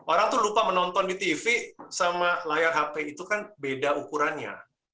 orang tuh lupa menonton di tv sama layar hp itu kan beda ukurannya